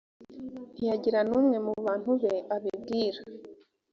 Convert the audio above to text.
ntiyagira n umwe mu bantu be abibwira